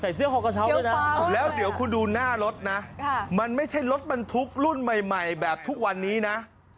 ใส่เสื้อแล้วเดี๋ยวคุณดูหน้ารถนะมันไม่ใช่รถบรรทุกรุ่นใหม่แบบทุกวันนี้นะ